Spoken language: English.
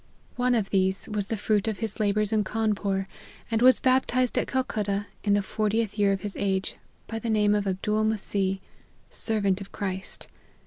One of these was the fruit of his labours in Cawnpore, and was baptized at Calcutta, in the fortieth year of his age, by the name of Ab dool Messeeh " servant of Christ."